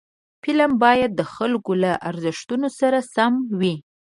فلم باید د خلکو له ارزښتونو سره سم وي